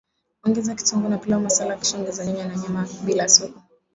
Ongeza kitunguu na pilau masala kisha ongeza nyanya na nyama bila supu